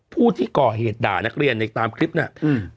ผู้ที่ก่อเหตุด่านักเรียนในตามคลิปน่ะอืม